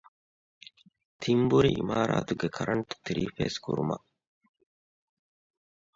ތިންބުރި އިމާރާތުގެ ކަރަންޓް ތްރީފޭސް ކުރުމަށް